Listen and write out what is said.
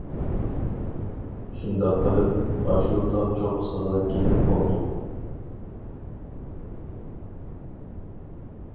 شۇنداق قىلىپ، ئاشۇ تاغ چوققىسىغا كېلىپ قوندۇق.